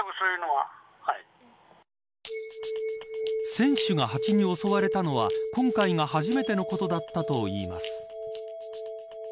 選手がハチに襲われたのは今回が初めてのことだったといいます。